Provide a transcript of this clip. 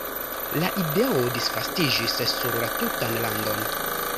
La ideo disvastiĝis sur la tutan landon.